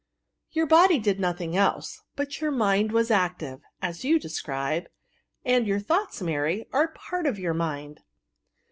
Your body did nothing else, but your mind was active, as you describe; and your thoughts, Mary, are a part of your mind.